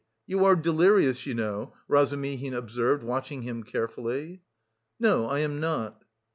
You are delirious, you know!" Razumihin observed, watching him carefully. "No, I am not."